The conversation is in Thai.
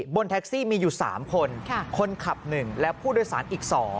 บนแท็กซี่มีอยู่๓คนคนขับ๑และผู้โดยสารอีก๒